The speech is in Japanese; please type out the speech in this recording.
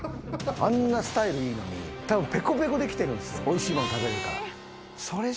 あんなスタイルいいのに多分ペコペコで来てるんですよおいしいもの食べるから。